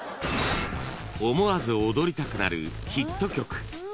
［思わず踊りたくなるヒット曲］